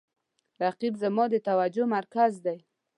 رقیب زما د توجه مرکز دی